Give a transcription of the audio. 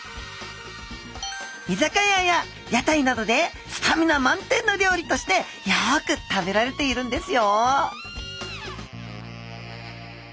居酒屋や屋台などでスタミナ満点の料理としてよく食べられているんですよ